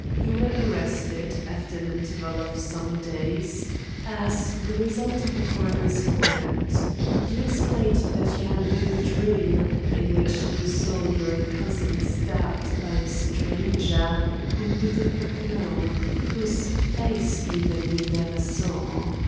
You were arrested, after an interval of some days, as the result of a coroner's warrant. You explained that you had a vivid dream, in which you saw your cousin stabbed by a stranger whom you did not know, whose face even you never saw.